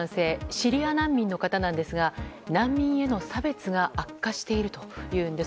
シリア難民の方なんですが難民への差別が悪化しているというんです。